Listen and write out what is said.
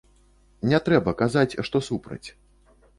Не трэба казаць, што супраць.